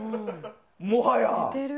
もはや。